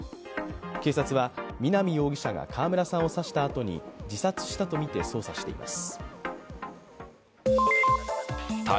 警察は、南容疑者が川村さんを刺したあとに自殺したとみて捜査しています。